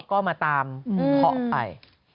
ก็มาตามเคาะไป